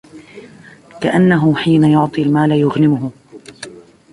كأنه حين يعطي المال يغنمه